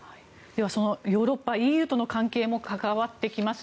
では、そのヨーロッパＥＵとの関係にも関わってきます